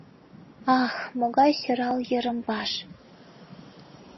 Ах, могае сӧрал йырым-ваш!